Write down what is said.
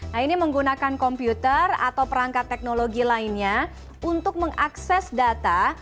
nah ini menggunakan komputer atau perangkat teknologi lainnya untuk mengakses data